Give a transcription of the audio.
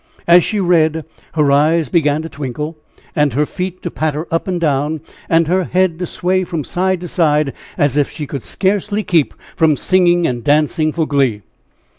As she read, her eyes began to twinkle, and her feet to patter up and down, and her head to sway from side to side, as if she could scarcely keep from singing and dancing for glee.